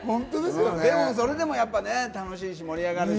でもそれでも楽しいし、盛り上がるし。